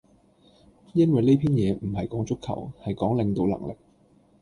因為呢篇嘢唔係講足球，係講領導能力